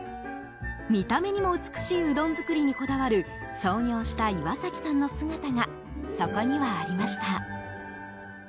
見た目にも美しいうどん作りにこだわる創業した岩崎さんの姿がそこにはありました。